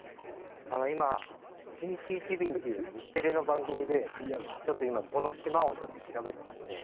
あの今『１日１便』っていう日テレの番組でちょっと今この島を調べてまして。